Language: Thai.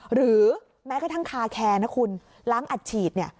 หรือแม้กระทั่งคาแคร์นะคุณล้างอัดฉีดเนี่ย